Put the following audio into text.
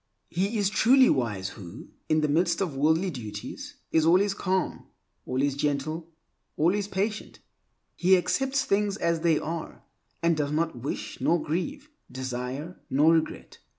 He is truly wise who, in the midst of worldly duties, is always calm, always gentle, always patient. He accepts things as they are, and does not wish nor grieve, desire nor regret.